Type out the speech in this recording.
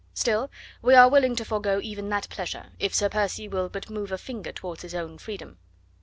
Still we are willing to forego even that pleasure, if Sir Percy will but move a finger towards his own freedom."